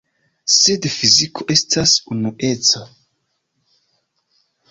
Sed fiziko estas unueca.